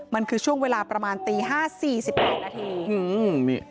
มันคือช่วงเวลาประมาณตีห้าสี่สิบแปดนาที